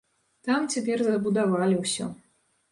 Там цяпер забудавалі ўсё.